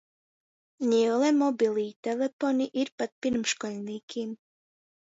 Niule mobilī teleponi ir pat pyrmškoļnīkim.